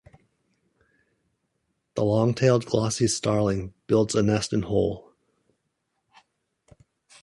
The long-tailed glossy starling builds a nest in hole.